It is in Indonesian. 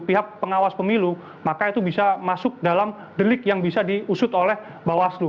pihak pengawas pemilu maka itu bisa masuk dalam delik yang bisa diusut oleh bawaslu